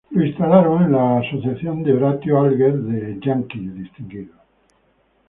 Lo instalaron en la asociación de Horatio Alger de estadounidenses distinguidos.